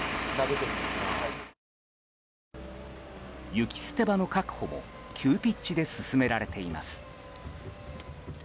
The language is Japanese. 雪捨て場の確保も急ピッチで進められています。